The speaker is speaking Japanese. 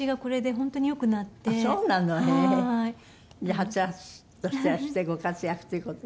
はつらつとしてらしてご活躍という事で。